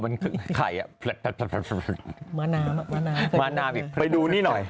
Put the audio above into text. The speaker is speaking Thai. เหมือนกบเวลากบมันขยับมาน้ำไปดูนี่หน่อย